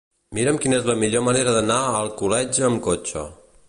Mira'm quina és la millor manera d'anar a Alcoletge amb cotxe.